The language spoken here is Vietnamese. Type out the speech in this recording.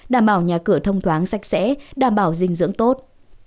đảm bảo nhà cửa thông thoáng sạch sẽ đảm bảo dinh dưỡng tốt